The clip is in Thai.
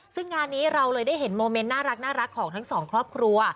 ซึ่งงานนี้เราเลยได้เห็นโมเมนต์น่ารักของทั้งสองครอบครัว